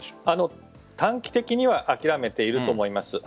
短期的には諦めていると思います。